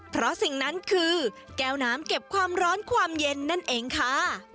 เพราะสิ่งนั้นคือแก้วน้ำเก็บความร้อนความเย็นนั่นเองค่ะ